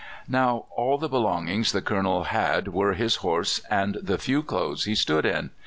Now all the belongings the Colonel had were his horse and the few clothes he stood in.